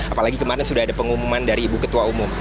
apalagi kemarin sudah ada pengumuman dari ibu ketua umum